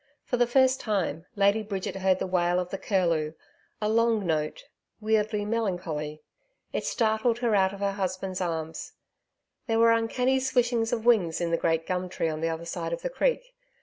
For the first time, Lady Bridget heard the wail of the curlew a long note, weirdly melancholy. It startled her out of her husband's arms. There were uncanny swishings of wings in the great gum tree on the other side of the creek.